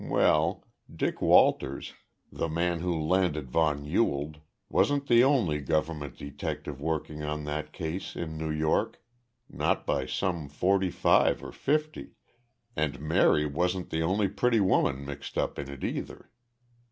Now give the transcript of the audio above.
Well, Dick Walters, the man who landed von Ewald, wasn't the only government detective working on that case in New York not by some forty five or fifty and Mary wasn't the only pretty woman mixed up in it, either.